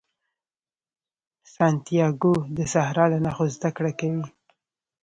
سانتیاګو د صحرا له نښو زده کړه کوي.